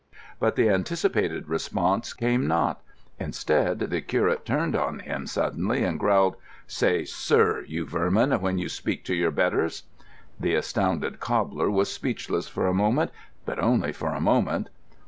But the anticipated response came not. Instead, the curate turned on him suddenly and growled: "Say 'sir,' you vermin, when you speak to your betters." The astounded cobbler was speechless for a moment. But only for a moment.